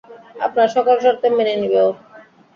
আপনার সকল শর্ত মেনে নিবে ও।